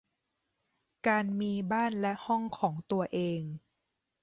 การมีบ้านและห้องของตัวเอง